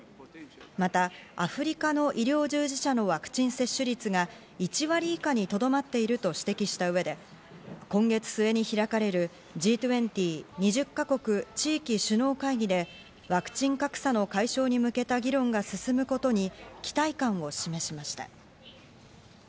またアフリカの医療従事者のワクチン接種率が１割以下にとどまっていると指摘した上で、今月末に開かれる、Ｇ２０＝２０か国・地域首脳会議で、ワクチン格差の解消に向けた議論が進むことに期待感を示しました。